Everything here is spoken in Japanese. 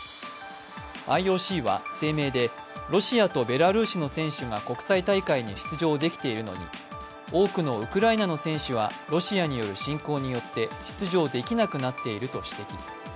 ＩＯＣは声明て、ロシアとベラルーシの選手が国際大会に出場できているのに多くのウクライナの選手はロシアによる侵攻によって出場できなくなっていると指摘。